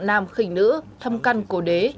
nặng nam khình nữ thâm căn cô đế